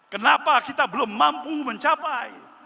kenapa kita belum mampu mencapai